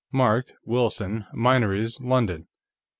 Marked: Wilson, Minories, London.